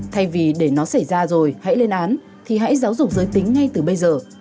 thay vì để nó xảy ra rồi hãy lên án thì hãy giáo dục giới tính ngay từ bây giờ